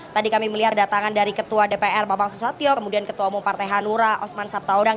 tadi kami melihat datangan dari ketua dpr bapak susatyo kemudian ketua umum partai hanura osman sabtaudang